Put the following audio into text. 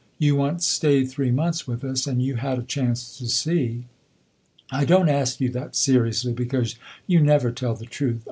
You once stayed three months with us, and you had a chance to see. I don't ask you that seriously, because you never tell the truth.